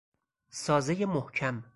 سازهی محکم